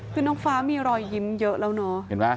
คือน้องฟ้ามีรอยยิ้มเยอะแล้วเนาะ